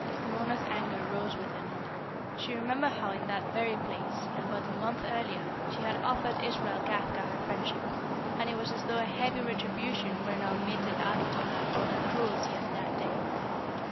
Unorna's anger rose within her. She remembered how in that very place, and but a month earlier, she had offered Israel Kafka her friendship, and it was as though a heavy retribution were now meted out to her for her cruelty on that day.